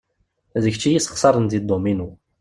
D kečč iyi-sexsaren deg dduminu.